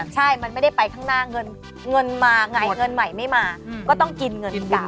ใช่มันไม่ได้ไปข้างหน้าเงินมาไงเงินใหม่ไม่มาก็ต้องกินเงินกัน